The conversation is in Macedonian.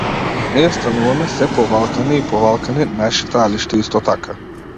Ние стануваме сѐ повалкани и повалкани, нашите алишта исто така.